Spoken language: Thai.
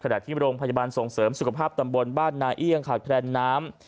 ที่โรงพยาบาลส่งเสริมสุขภาพตำบลบ้านนาเอี่ยงขาดแคลนน้ำ